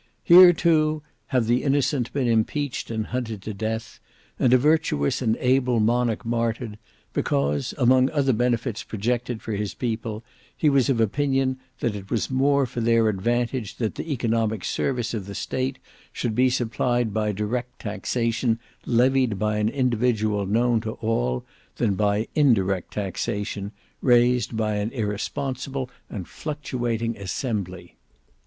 Here too have the innocent been impeached and hunted to death; and a virtuous and able monarch martyred, because, among other benefits projected for his people, he was of opinion that it was more for their advantage that the economic service of the state should be supplied by direct taxation levied by an individual known to all, than by indirect taxation, raised by an irresponsible and fluctuating assembly.